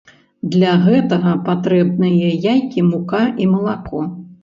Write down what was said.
Для гэтага патрэбныя яйкі, мука і малако.